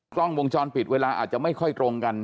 กล้องวงจรปิดเวลาอาจจะไม่ค่อยตรงกัน